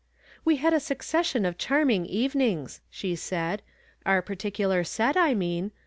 "We had a succession of charming evenings," she said. " Our particular set, I mean.